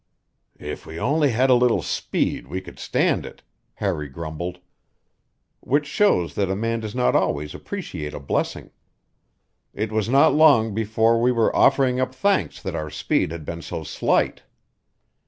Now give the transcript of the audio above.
"If we only had a little speed we could stand it," Harry grumbled. Which shows that a man does not always appreciate a blessing. It was not long before we were offering up thanks that our speed had been so slight.